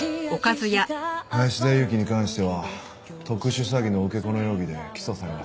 林田裕紀に関しては特殊詐欺の受け子の容疑で起訴されました。